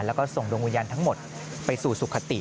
แล้วก็ส่งดวงวิญญาณทั้งหมดไปสู่สุขติ